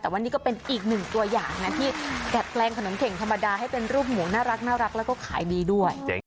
แต่ว่านี่ก็เป็นอีกหนึ่งตัวอย่างนะที่ดัดแปลงขนมเข่งธรรมดาให้เป็นรูปหมูน่ารักแล้วก็ขายดีด้วย